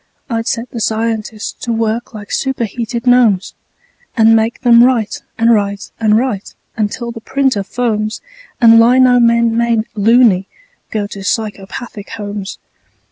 I'd set the scientists to work like superheated gnomes, And make them write and write and write until the printer foams And lino men, made "loony", go to psychopathic homes.